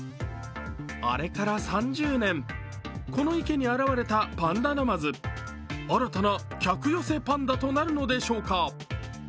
あれから３０年、この池に現れたパンダナマズ、新たな客寄せパンダとなるのでしょうか。